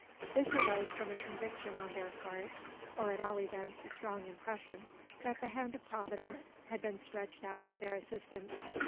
This arose from a conviction on their part, or at all events a strong impression, that the hand of Providence had been stretched out to their assistance.